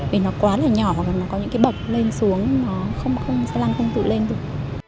vì nó quá là nhỏ và có những cái bậc lên xuống xe lăn không tự lên được